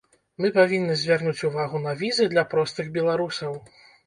Мы павінны звярнуць увагу на візы для простых беларусаў.